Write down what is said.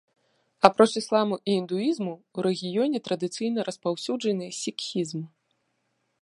Апроч ісламу і індуізму, у рэгіёне традыцыйна распаўсюджаны сікхізм.